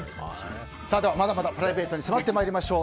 ではまだまだプライベートに迫ってまいりましょう。